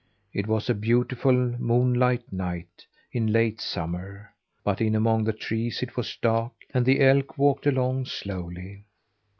It was a beautiful moonlight night in late summer; but in among the trees it was dark, and the elk walked along slowly.